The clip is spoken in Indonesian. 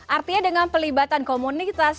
artinya dengan pelibatan komunitas